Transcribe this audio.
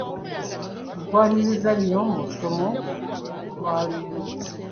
Nkwanirizza nnyo mu ssomo lya leero.